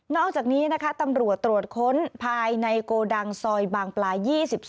อกจากนี้นะคะตำรวจตรวจค้นภายในโกดังซอยบางปลา๒๒